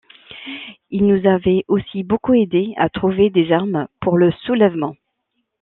Il nous avait aussi beaucoup aidés à trouver des armes pour le soulèvement.